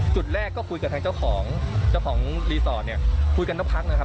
จุดแรกก็คุยกับทางเจ้าของเจ้าของรีสอร์ทเนี่ยคุยกันสักพักนะครับ